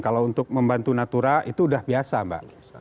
kalau untuk membantu natura itu sudah biasa mbak